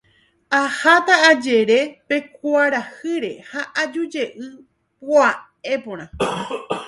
Aháta ajere pe kuarahýre ha ajujey pya'e porã.